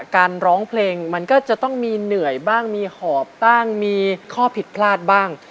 การร้องเพลงมันก็จะต้องมีเหนื่อยบ้างมีหอบบ้างมีข้อผิดพลาดบ้าง